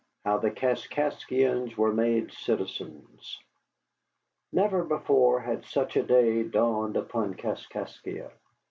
HOW THE KASKASKEIANS WERE MADE CITIZENS Never before had such a day dawned upon Kaskaskia.